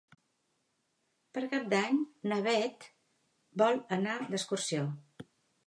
Per Cap d'Any na Bet vol anar d'excursió.